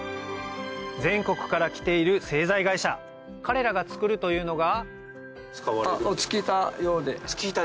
全国から来ている製材会社彼らが作るというのが？